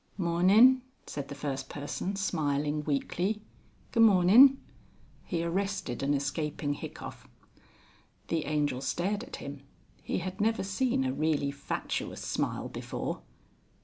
"Mornin'," said the first person smiling weakly. "Goomorn'." He arrested an escaping hiccough. The Angel stared at him. He had never seen a really fatuous smile before.